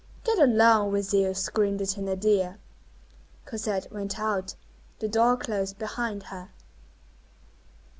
"Get along with you!" screamed the Thénardier. Cosette went out. The door closed behind her.